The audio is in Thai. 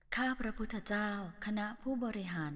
ข้าพระพุทธเจ้าคณะผู้บริหาร